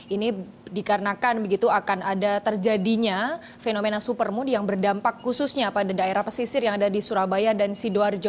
ini dikarenakan begitu akan ada terjadinya fenomena supermoon yang berdampak khususnya pada daerah pesisir yang ada di surabaya dan sidoarjo